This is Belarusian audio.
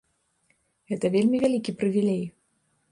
Гэта вельмі вялікі прывілей.